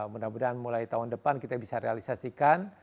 mudah mudahan mulai tahun depan kita bisa realisasikan